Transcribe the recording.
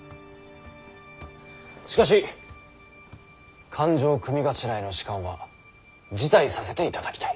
しかし勘定組頭への仕官は辞退させていただきたい。